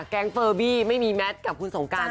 แก๊งเฟอร์บี้ไม่มีแมทกับคุณสงการ